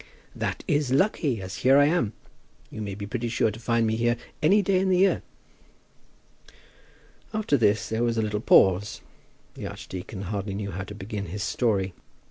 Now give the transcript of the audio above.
"That is lucky, as here I am. You may be pretty sure to find me here any day in the year." After this there was a little pause. The archdeacon hardly knew how to begin his story.